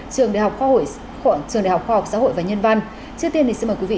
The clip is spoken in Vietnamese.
trường đại học trường đại học khoa học xã hội và nhân văn trước tiên thì xin mời quý vị